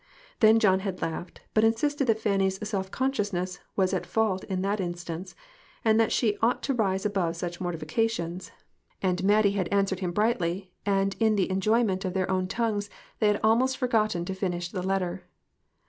Then John had laughed, but insisted that Fanny's self conscious ness was at fault in that instance, and that she ought to rise above such mortifications, and Mat TOTAL DEPRAVITY. 49 tie had answered him brightly, and, in the enjoy ment of their own tongues, they had almost for gotten to finish the letter.